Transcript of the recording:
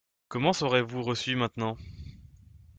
Comment serez-vous reçue maintenant ?